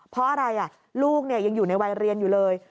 เพราะอะไรลูกยังอยู่ในวัยเรียนอยู่เลย